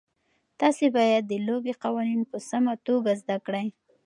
تاسي باید د لوبې قوانین په سمه توګه زده کړئ.